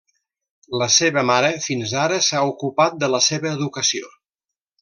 La seva mare fins ara s'ha ocupat de la seva educació.